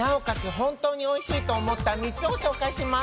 本当においしいと思った３つを紹介します。